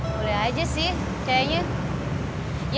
boleh aja sih kayaknya